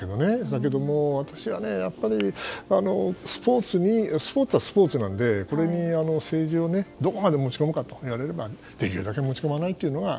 だけども、私はスポーツはスポーツなんでこれに政治をどこまで持ち込むかと言われればできるだけ持ち込まないというのがね。